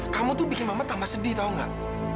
kamu tuh bikin mama tambah sedih tau gak